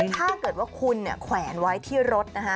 ถ้าเกิดว่าคุณแขวนไว้ที่รถนะฮะ